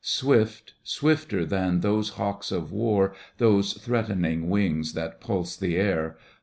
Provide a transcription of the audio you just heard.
Swift, swifter than those hawks of war. Those threatening wings that pulse the air.